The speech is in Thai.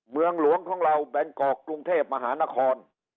เมืองหลวงของเราแบงกอกกรุงเทพมหานคร